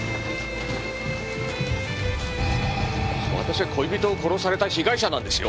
私は恋人を殺された被害者なんですよ。